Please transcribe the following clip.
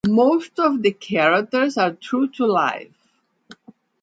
Most of the characters are true to life.